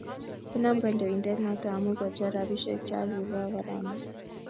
Konam kandoindet noto amu kochor rabisiek cha kibo korona